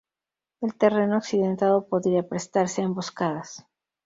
El terreno accidentado podía prestarse a emboscadas.